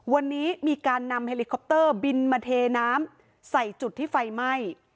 วันนี้มีการนำเฮลิคอปเตอร์บินมาเทน้ำใส่จุดที่ไฟไหม้